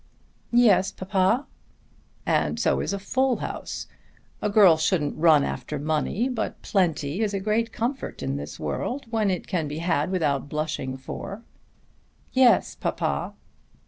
"Yes, papa." "And so is a full house. A girl shouldn't run after money, but plenty is a great comfort in this world when it can be had without blushing for." "Yes, papa."